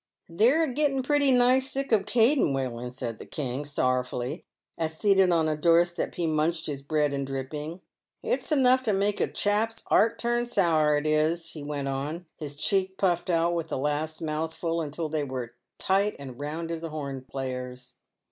" They're a gettin' pretty nigh sick of caten wheeling," said the King, sorrowfully, as, seated on a door step, he munched his bread and dripping. " It's enough to make a chap's 'art turn sour, it is," he went on, his cheeks puffed out with the last mouthful until they were as tight and round as a horn player's.